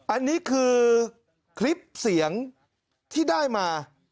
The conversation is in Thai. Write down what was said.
อันนี้คือคลิปเสียงที่ได้มา